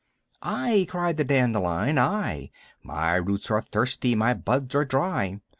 'T," cried the dandelion, ''I, My roots are thirsty, my buds are dry.